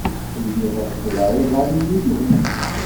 Lliɣ reffdeɣ iɣallen-inu.